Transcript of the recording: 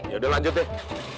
yaudah lanjut deh